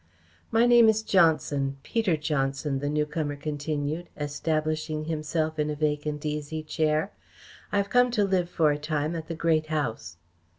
"My name is Johnson Peter Johnson," the newcomer continued, establishing himself in a vacant easy chair. "I have come to live for a time at the Great House."